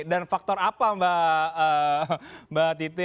dan faktor apa mbak titi